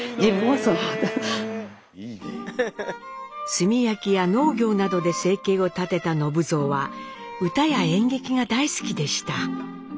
炭焼きや農業などで生計を立てた信蔵は歌や演劇が大好きでした。